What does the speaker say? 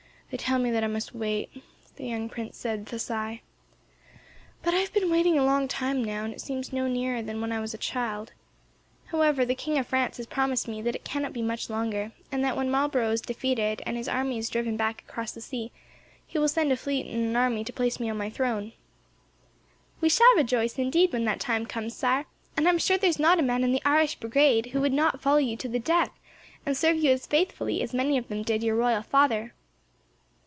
"They all tell me that I must wait," the young prince said, with a sigh, "but I have been waiting a long time now, and it seems no nearer than when I was a child. However, the King of France has promised me that it cannot be much longer; and that, when Marlborough is defeated, and his army driven back across the sea, he will send a fleet and an army to place me on my throne." "We shall all rejoice, indeed, when that time comes, Sire; and I am sure there is not a man in the Irish Brigade who will not follow you to the death, and serve you as faithfully as many of them did your royal father."